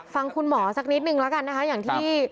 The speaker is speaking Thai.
ฟังคุณหมอสักนิดนึงแล้วกันนะคะอย่างที่